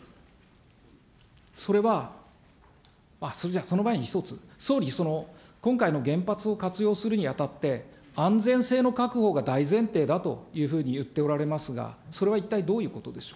それは、その前に一つ、総理、今回の原発を活用するにあたって、安全性の確保が大前提だというふうに言っておられますが、それは一体どういうことでしょう。